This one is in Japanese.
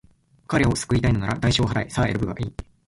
彼を救いたいのなら、代償を払え。さあ、選ぶがいい。